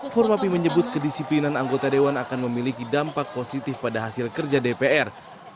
formapi menyebut kedisiplinan anggota dewan akan memiliki dampak positif pada hasil kerja dpr